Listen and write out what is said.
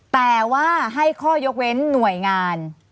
แต่ว่าให้ข้อยกเว้นหน่วยงาน